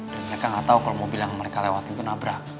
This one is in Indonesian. dan mereka gak tau kalau mobil yang mereka lewatin itu nabrak